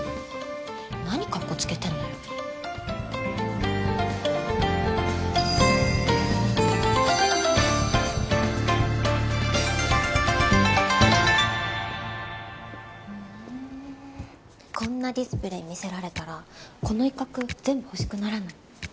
何かっこつけてんのよふんこんなディスプレー見せられたらこの一角全部欲しくならない？